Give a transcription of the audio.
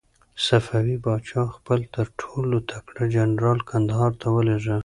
صفوي پاچا خپل تر ټولو تکړه جنرال کندهار ته ولېږه.